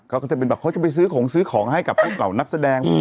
ก็เป็นแบบเขาจะไปซื้อของซื้อของให้กับพวกเหล่านักแสดง